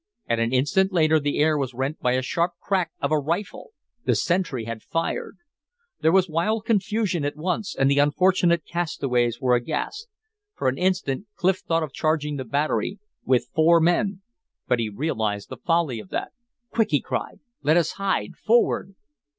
And an instant later the air was rent by a sharp crack of a rifle the sentry had fired! There was wild confusion at once, and the unfortunate castaways were aghast. For an instant Clif thought of charging the battery with four men. But he realized the folly of that. "Quick!" he cried, "let us hide. Forward!"